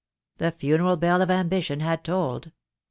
The funeral bell of ambition had tolled.